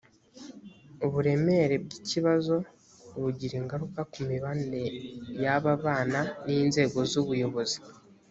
uburemere bw ikibazo bugira ingaruka ku mibanire y aba bana n inzego z ubuyobozi